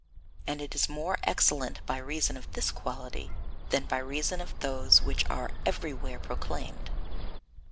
And it is more excellent by reason of this quality than by reason of those which are everywhere proclaimed.